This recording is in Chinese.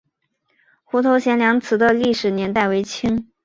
湖头贤良祠的历史年代为清。